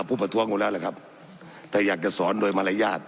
ผู้ประทรวงกูแล้วล่ะครับแต่อยากจะสอนโดยมารยาท